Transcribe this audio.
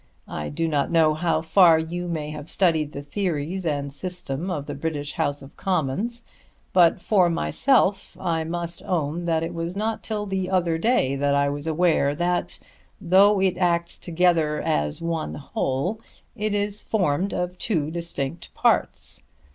I do not know how far you may have studied the theories and system of the British House of Commons, but, for myself, I must own that it was not till the other day that I was aware that, though it acts together as one whole, it is formed of two distinct parts.